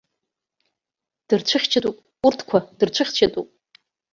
Дырцәыхьчатәуп, урҭқәа дырцәыхьчатәуп.